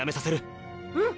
うん！